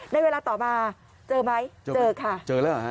ในเวลาต่อมาเจอไหมเจอค่ะเจอแล้วเหรอฮะ